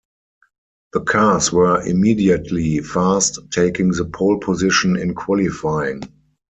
The cars were immediately fast, taking the pole position in qualifying.